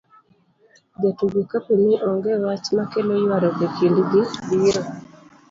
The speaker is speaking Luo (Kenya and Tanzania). jotugo kapo ni onge wach makelo ywaruok e kind gi, biro